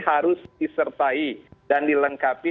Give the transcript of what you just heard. harus disertai dan dilengkapi